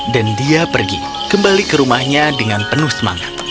dan dia pergi kembali ke rumahnya dengan penuh semangat